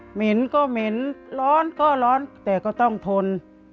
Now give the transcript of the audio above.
เหม็นก็เหม็นร้อนก็ร้อนแต่ก็ต้องทน